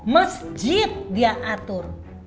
masjid dia atur